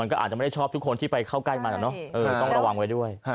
ก็อาจจะไม่ได้ชอบทุกคนที่ไปเข้าใกล้มันอะเนาะต้องระวังไว้ด้วย